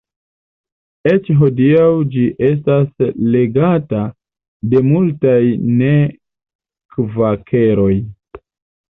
Eĉ hodiaŭ ĝi estas legata de multaj ne-kvakeroj.